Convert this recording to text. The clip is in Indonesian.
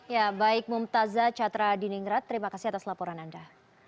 ya baik mumtazah catra diningrat terima kasih atas laporan anda